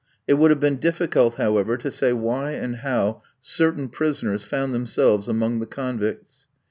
It would have been difficult, however, to say why and how certain prisoners found themselves among the convicts.